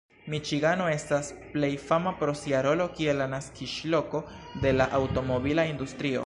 Miĉigano estas plej fama pro sia rolo kiel la naskiĝloko de la aŭtomobila industrio.